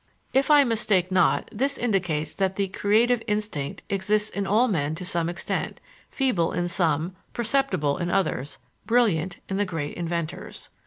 If I mistake not, this indicates that the "creative instinct" exists in all men to some extent feeble in some, perceptible in others, brilliant in the great inventors.